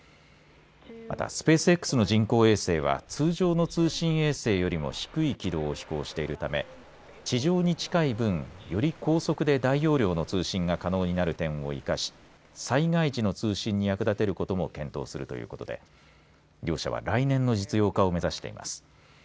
またスペースＸの人工衛星は通常の通信衛星よりも低い軌道を飛行しているため地上に近い分、より高速で大容量の通信が可能になる点を生かし災害時の通信に役立てることも検討するということで両社は来年の実用化を目指しています。